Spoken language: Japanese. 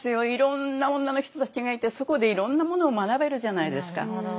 いろんな女の人たちがいてそこでいろんなものを学べるじゃないですか。